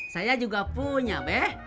saya juga punya be